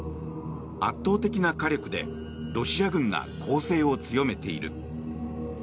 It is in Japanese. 圧倒的な火力でロシア軍が攻勢を強めている。